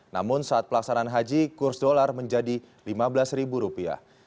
namun saat pelaksanaan haji kurs dolar menjadi lima belas ribu rupiah